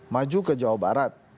maju ke jawa barat